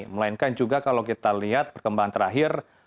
melainkan juga kalau kita lihat perkembangan terakhir